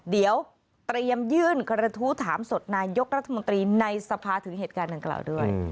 เดี๋ยวเตรียมยื่นกระทู้ถามสดนายกรัฐมนตรีในสภาถึงเหตุการณ์ดังกล่าวด้วย